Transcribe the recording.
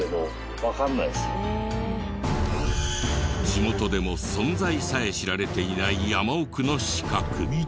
地元でも存在さえ知られていない山奥の四角。